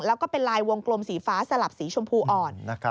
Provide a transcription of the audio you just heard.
แล้วก็เป็นลายวงกลมสีฟ้าสลับสีชมพูอ่อน